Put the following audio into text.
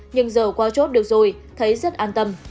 nhưng giờ qua chốt được rồi thấy rất an tâm